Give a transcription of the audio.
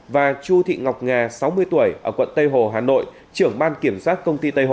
và chu thị ngọc nga sáu mươi tuổi ở quận tây hồ hà nội trưởng ban kiểm soát công ty tây hồ